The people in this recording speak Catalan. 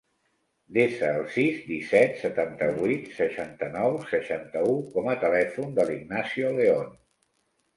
Desa el sis, disset, setanta-vuit, seixanta-nou, seixanta-u com a telèfon de l'Ignacio Leon.